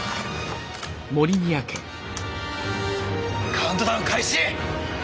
カウントダウン開始！